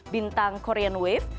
bintang korean wave